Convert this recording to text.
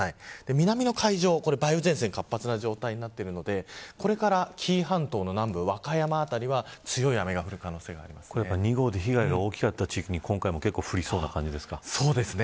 南の海上は梅雨前線が活発な状態になっているのでこれから紀伊半島の南部和歌山辺りは強い雨が２号で被害が大きかった地域にそうですね。